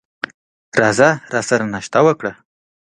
راځه راسره ناشته وکړه !